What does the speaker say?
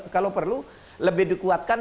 kalau perlu lebih dikuatkan